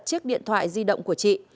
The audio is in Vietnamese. chiếc điện thoại di động của chị